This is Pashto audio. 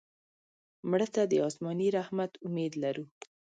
مړه ته د آسماني رحمت امید لرو